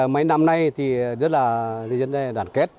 mấy năm nay thì rất là dân đây đoàn kết